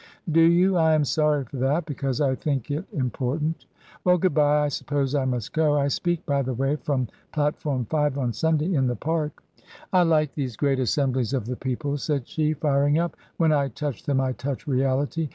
"Do you? I am sorry for that, because I think it important. Well, good bye. I suppose I must go. I speak, by the way, from Platform 5 on Sunday in the Park." " I like these great assemblies of the people," said she, firing up ;" when I touch them I touch reality.